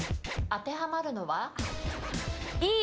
当てはまるのは？